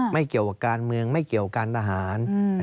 ไม่เกี่ยวกับการเมืองไม่เกี่ยวการทหาร